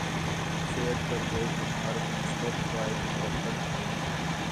صحت پر بے شمار مثبت فوائد مرتب کیے ہیں